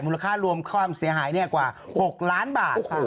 ค่ารวมความเสียหายกว่า๖ล้านบาท